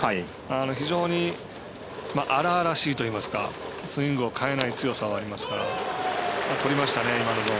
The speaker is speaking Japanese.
非常に荒々しいといいますかスイングを変えない強さはありますから。